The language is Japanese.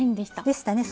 でしたね。